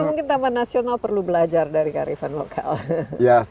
mungkin taman nasional perlu belajar dari karifan lokal